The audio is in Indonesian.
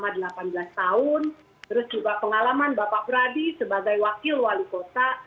terus juga pengalaman bapak pradi sebagai wakil wali kota